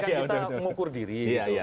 kan kita mengukur diri